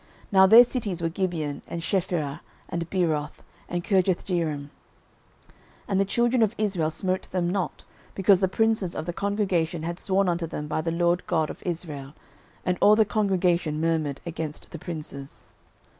Now their cities were Gibeon, and Chephirah, and Beeroth, and Kirjathjearim. 06:009:018 And the children of Israel smote them not, because the princes of the congregation had sworn unto them by the LORD God of Israel. And all the congregation murmured against the princes.